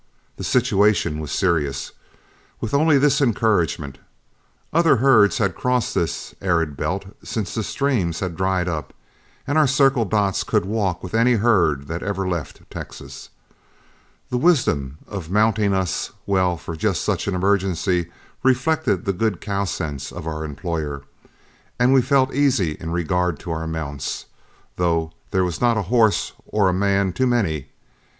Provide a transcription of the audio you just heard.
The situation was serious, with only this encouragement: other herds had crossed this arid belt since the streams had dried up, and our Circle Dots could walk with any herd that ever left Texas. The wisdom of mounting us well for just such an emergency reflected the good cow sense of our employer; and we felt easy in regard to our mounts, though there was not a horse or a man too many.